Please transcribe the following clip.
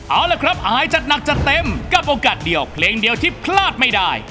เอาละครับอายจัดหนักจัดเต็มกับโอกาสเดียวเพลงเดียวที่พลาดไม่ได้